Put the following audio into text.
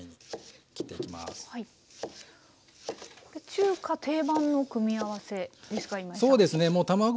これ中華定番の組み合わせですか？